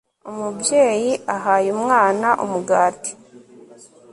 umubyeyi ahayeumwana umugati